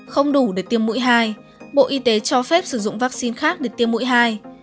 không đủ để tiêm mũi hai bộ y tế cho phép sử dụng vaccine khác để tiêm mũi hai